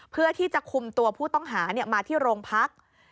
เพื่อที่จะคุมตัวผู้ต้องหามาที่โรงพัก